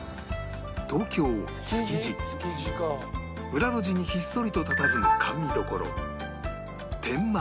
裏路地にひっそりとたたずむ甘味処